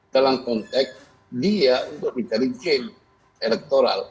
dalam kontek dia untuk mencari gen elektoral